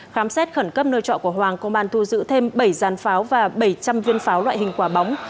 khám xét khẩn cấp nơi trọ của hoàng công an thu giữ thêm bảy giàn pháo và bảy trăm linh viên pháo loại hình quả bóng